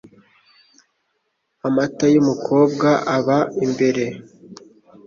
Amata y'umukobwa aba imbere.